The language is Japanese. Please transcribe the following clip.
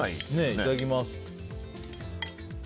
いただきます。